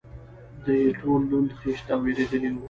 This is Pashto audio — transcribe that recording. دوی ټول لوند، خېشت او وېرېدلي و.